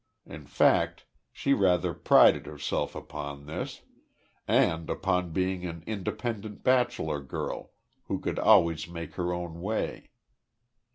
In fact she rather prided herself upon this, and upon being an independent bachelor girl who could always make her own way.